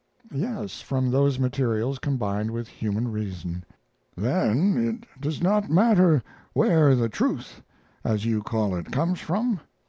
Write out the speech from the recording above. "Yes, from those materials combined with human reason." "Then it does not matter where the truth, as you call it, comes from?"